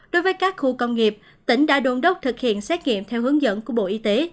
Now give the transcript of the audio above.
đối với các khu công nghiệp tỉnh đã đôn đốc thực hiện xét nghiệm theo hướng dẫn của bộ y tế